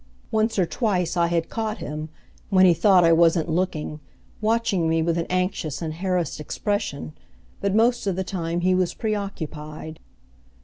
Once or twice I had caught him, when he thought I wasn't looking, watching me with an anxious and harassed expression; but most of the time he was preoccupied.